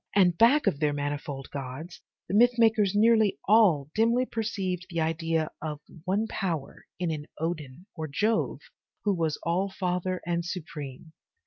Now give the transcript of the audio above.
And back of their manifold gods, the myth makers nearly all dimly perceived the idea of one power in an Odin or Jove who was All father and supreme.